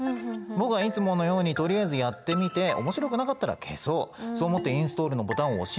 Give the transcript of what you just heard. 僕はいつものようにとりあえずやってみて面白くなかったら消そうそう思ってインストールのボタンを押しました。